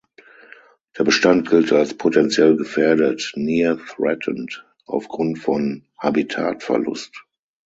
Der Bestand gilt als potentiell gefährdet ("near threatened") aufgrund von Habitatverlust.